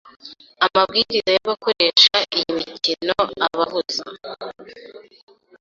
amabwiriza y'abakoresha iyi mikino ababuza